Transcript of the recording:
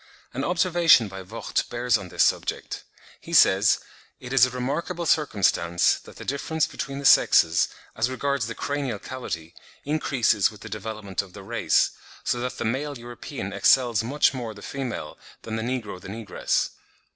(26. An observation by Vogt bears on this subject: he says, "It is a remarkable circumstance, that the difference between the sexes, as regards the cranial cavity, increases with the development of the race, so that the male European excels much more the female, than the negro the negress.